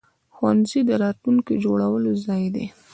ښوونځی د راتلونکي جوړولو ځای دی.